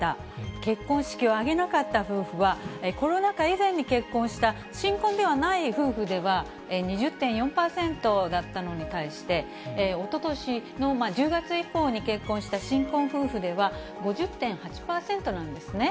結婚式を挙げなかった夫婦は、コロナ禍以前に結婚した新婚ではない夫婦では、２０．４％だったのに対して、おととしの１０月以降に結婚した新婚夫婦では、５０．８％なんですね。